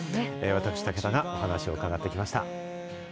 私、武田がお話を伺ってきました。